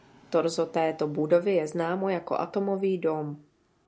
Torzo této budovy je známo jako Atomový dóm.